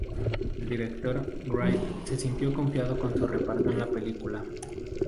El director Wright se sintió confiado con su reparto en la película.